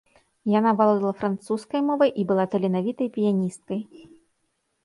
Яна валодала французскай мовай і была таленавітай піяністкай.